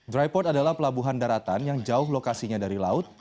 dry port adalah pelabuhan daratan yang jauh lokasinya dari laut